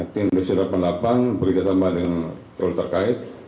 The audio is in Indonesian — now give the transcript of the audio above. tim d satu ratus delapan puluh delapan bekerjasama dengan seluruh terkait